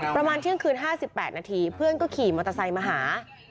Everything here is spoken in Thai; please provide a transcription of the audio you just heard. ประมาณเที่ยงคืน๕๘นาทีเพื่อนก็ขี่มอเตอร์ไซค์มาหา